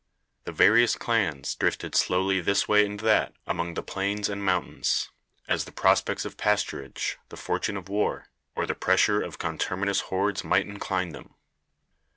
The various clans drifted slowly this way and that among the plains and mountains, as the prospects of pasturage, the fortune of war, or the pressure of conterminous hordes might incline them.